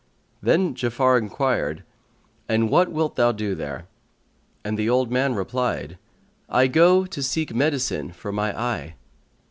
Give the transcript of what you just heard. Then Ja'afar enquired "And what wilt thou do there?" and the old man replied, "I go to seek medicine for my eye."